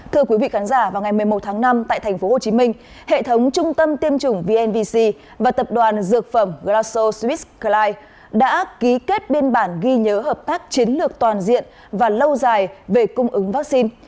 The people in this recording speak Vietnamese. thưa quý vị khán giả vào ngày một mươi một tháng năm tại tp hcm hệ thống trung tâm tiêm chủng vnvc và tập đoàn dược phẩm graso swis gly đã ký kết biên bản ghi nhớ hợp tác chiến lược toàn diện và lâu dài về cung ứng vaccine